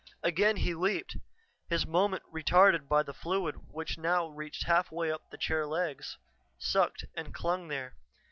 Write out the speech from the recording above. Again he leaped, his moment retarded by the fluid which now reached halfway up the chair legs, sucked and clung there.